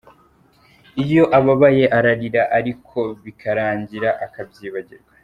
Iyo ababaye ararira ariko bikarangira akabyibagirwa.